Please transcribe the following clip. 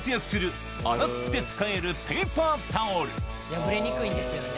破れにくいんですよね。